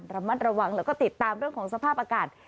ระมัดระวังแล้วก็ติดตามเรื่องของสภาพอากาศ